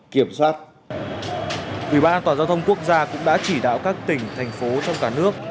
ủy ban an toàn giao thông quốc gia cũng đã chỉ đạo các tỉnh thành phố trong cả nước